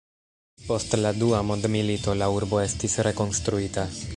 Post la dua mondmilito, la urbo estis rekonstruita.